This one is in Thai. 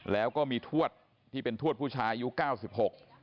แล้วก็มีทวดที่เป็นทวดผู้ชายอายุเก้าสิบหก